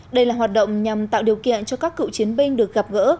đây là hoạt động nhằm tạo điều kiện cho các cựu chiến binh được gặp gỡ